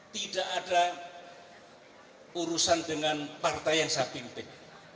tidak ada urusan dengan partai yang saya pimpin